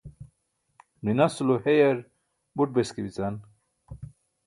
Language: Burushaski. minas ulo heyar buṭ beske bican